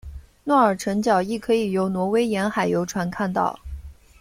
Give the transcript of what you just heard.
诺尔辰角亦可以由挪威沿岸游船看到。